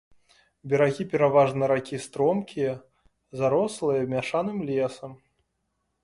Берагі пераважна ракі стромкія, зарослыя мяшаным лесам.